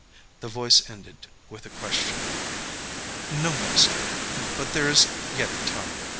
the voice ended with a question. "No, master. But there is yet time.